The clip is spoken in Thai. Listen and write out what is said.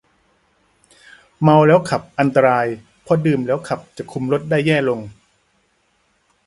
เมาแล้วขับอันตรายเพราะดื่มแล้วขับจะคุมรถได้แย่ลง